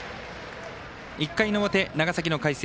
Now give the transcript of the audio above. １回の表、長崎の海星。